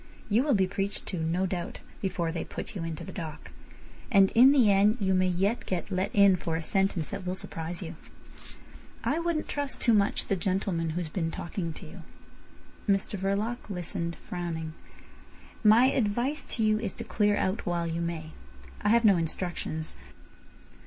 "You will be preached to, no doubt, before they put you into the dock. And in the end you may yet get let in for a sentence that will surprise you. I wouldn't trust too much the gentleman who's been talking to you." Mr Verloc listened, frowning. "My advice to you is to clear out while you may. I have no instructions.